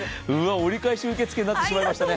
折り返し受付になってしまいましたね。